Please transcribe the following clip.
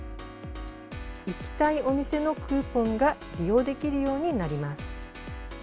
行きたいお店のクーポンが利用できるようになります。